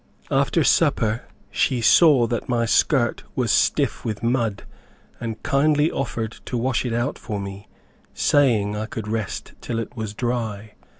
After supper, she saw that my skirt was stiff with mud, and kindly offered to wash it out for me, saying, I could rest till it was dry.